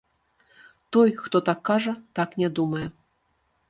Той, хто так кажа, так не думае.